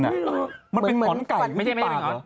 มันเป็นหอมไก่มิดี่ปากเหรอ